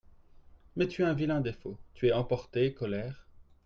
Mais tu as un vilain défaut, tu es emporté, colère…